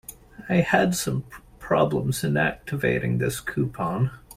I had some problems in activating this coupon.